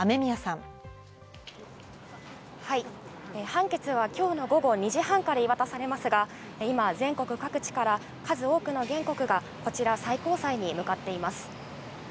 判決は今日の午後２時半から言い渡されますが、今、全国各地から数多くの原告が最高裁に向かっています。